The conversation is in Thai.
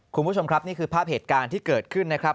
คุณผู้ชมครับนี่คือภาพเหตุการณ์ที่เกิดขึ้นนะครับ